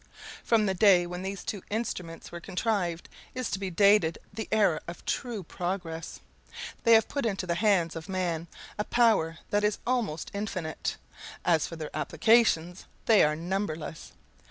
From the day when these two instruments were contrived is to be dated the era of true progress. They have put into the hands of man a power that is almost infinite. As for their applications, they are numberless.